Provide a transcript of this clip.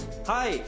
はい。